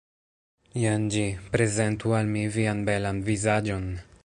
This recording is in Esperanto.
Jen ĝi. Prezentu al mi vian belan vizaĝon!